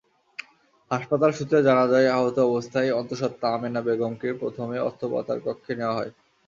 হাসপাতাল সূত্রে জানা যায়, আহত অবস্থায় অন্তঃসত্ত্বা আমেনা বেগমকে প্রথমে অস্ত্রোপচারকক্ষে নেওয়া হয়।